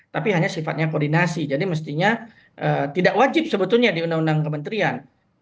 tapi hanya sifatnya koordinasi jadi mestinya tidak wajib sebetulnya di undang undang kementerian